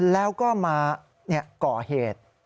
แล้วก็มาก่อเหตุ